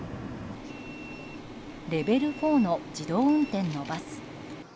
レベル４の自動運転のバス。